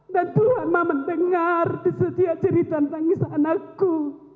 dan tuhan maha mendengar di setiap cerita nangis anakku